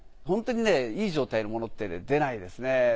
ホントにいい状態のものって出ないですね。